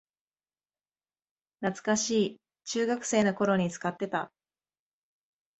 懐かしい、中学生の頃に使ってた